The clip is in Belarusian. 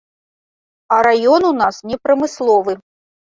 А раён у нас не прамысловы.